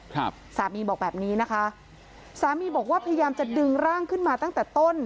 ครับสามีบอกแบบนี้นะคะสามีบอกว่าพยายามจะดึงร่างขึ้นมาตั้งแต่ต้น